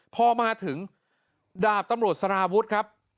พอมาถึงดาบตำรวจสารวุฒิครับ